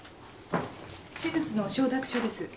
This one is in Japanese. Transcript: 手術の承諾書です。